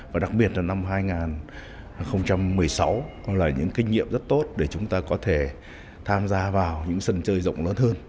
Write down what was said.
và đặc biệt là năm hai nghìn một mươi sáu là những kinh nghiệm rất tốt để chúng ta có thể tham gia vào những sân chơi rộng lớn hơn